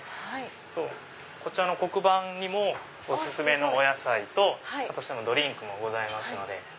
あとこちらの黒板にもお薦めのお野菜とドリンクもございますので。